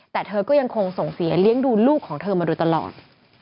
แต่เธอก็ยังคงส่งเสียเลี้ยงดูลูกของเธอมาโดยตลอด